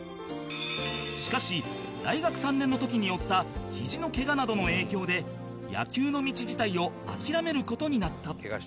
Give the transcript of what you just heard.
しかし大学３年の時に負ったヒジのケガなどの影響で野球の道自体を諦める事になった